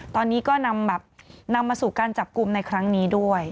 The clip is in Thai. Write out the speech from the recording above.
ตอนนี้ก็นำแบบนำมาสู่การจับกลุ่มในครั้งนี้ด้วย